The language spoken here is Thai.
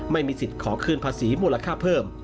ไม่มีสิทธิ์ขอคืนภาษีมูลค่าเพิ่ม